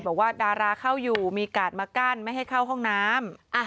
บอกว่าดาราเข้าอยู่มีกาดมากั้นไม่ให้เข้าห้องน้ำ